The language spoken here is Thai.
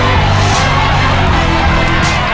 เพื่อชิงทุนต่อชีวิตสุด๑ล้านบาท